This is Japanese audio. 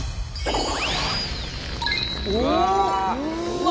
うわ！